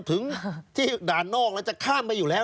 ถึงที่ด่านนอกแล้วจะข้ามไปอยู่แล้ว